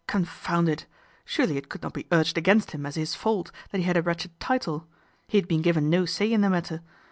Confound it ! Surely it could not be urged against him as his fault that he had a wretched title. He had been given no say in the matter.